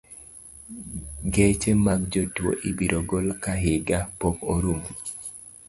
Geche mag jotuo ibiro gol ka higa pok orumo.